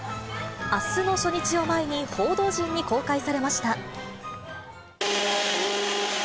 あすの初日を前に、報道陣に公開されました。